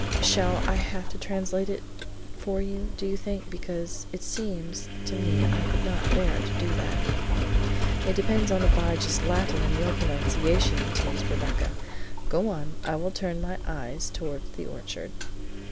Shall I have to translate it for you, do you think, because it seems to me I could not bear to do that!" "It depends upon Abijah's Latin and your pronunciation," teased Rebecca. "Go on; I will turn my eyes toward the orchard."